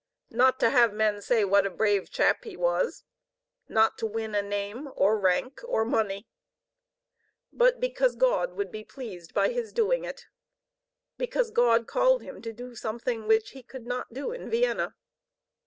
Not to have men say what a brave chap he was; not to win a name, or rank, or money: but because God would be pleased by his doing it, because God called him to do something which he could not do in Vienna.